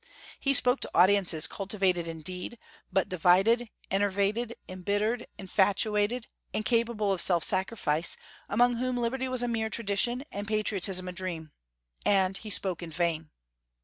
He spoke to audiences cultivated indeed, but divided, enervated, embittered, infatuated, incapable of self sacrifice, among whom liberty was a mere tradition and patriotism a dream; and he spoke in vain.